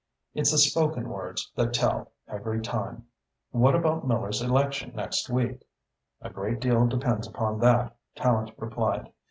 It's the spoken words that tell, every time. What about Miller's election next week?" "A great deal depends upon that," Tallente replied.